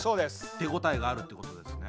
手応えがあるってことですね？